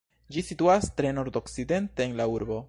Ĝi situas tre nordokcidente en la urbo.